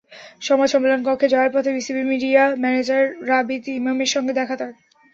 সংবাদ সম্মেলনকক্ষে যাওয়ার পথে বিসিবির মিডিয়া ম্যানেজার রাবীদ ইমামের সঙ্গে দেখা তাঁর।